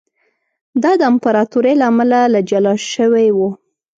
دا د امپراتورۍ له امله له جلا شوی و